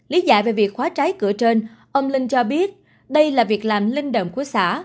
lý giải về việc khóa trái cửa trên ông linh cho biết đây là việc làm linh động của xã